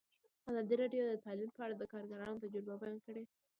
ازادي راډیو د تعلیم په اړه د کارګرانو تجربې بیان کړي.